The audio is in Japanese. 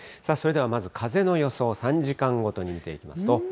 それではまず、風の予想、３時間ごとに見ていきますと。